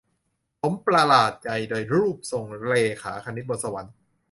ผมประหลาดใจโดยรูปทรงเรขาคณิตบนสวรรค์